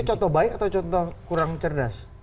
contoh baik atau contoh kurang cerdas